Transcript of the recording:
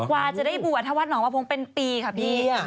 กว่าจะได้บวชถ้าวัดหนองประพงเป็นปีค่ะพี่